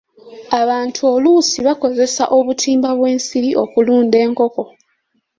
Abantu oluusi bakozesa obutimba bw'ensiri okulunda enkoko.